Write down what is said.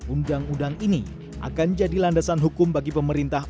undang undang ini akan jadi landasan hukum bagi pemerintah